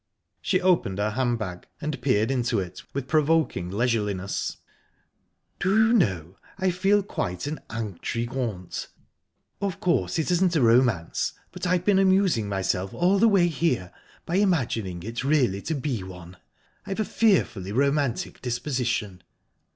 She opened her hand bag, and peered into it with provoking leisureliness ..."Do you know, I feel quite an intrigante. Of course, it isn't a romance, but I've been amusing myself all the way here by imagining it really to be one. I've a fearfully romantic disposition."